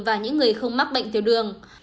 và những người không mắc bệnh tiểu đường